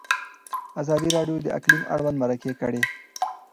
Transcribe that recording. ازادي راډیو د اقلیم اړوند مرکې کړي.